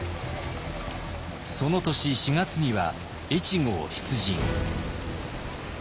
その年４月には越後を出陣。